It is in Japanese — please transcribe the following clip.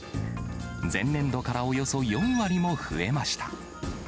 前年度からおよそ４割も増えました。